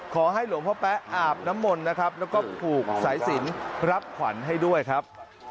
ขอให้หลวงพ่อแป๊ะอาบน้ำมนต์นะครับแล้วก็ผูกสายสินรับขวัญให้ด้วยครับ